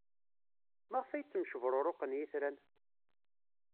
Maɣef ay ttemcebruruqen yitran?